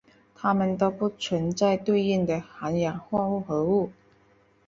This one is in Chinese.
它们都不存在对应的含氧化合物。